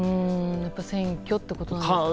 選挙ということなんですかね。